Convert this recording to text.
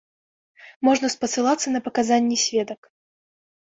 Можна спасылацца на паказанні сведак.